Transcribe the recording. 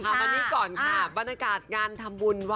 มานี้ก่อนค่ะบรรยากาศงานทำบุญ